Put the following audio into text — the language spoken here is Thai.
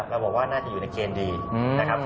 เราบอกว่าน่าจะอยู่ในเกณฑ์ดีนะครับ